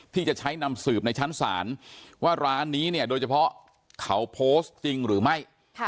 ที่จะใช้นำสืบในชั้นศาลว่าร้านนี้เนี่ยโดยเฉพาะเขาโพสต์จริงหรือไม่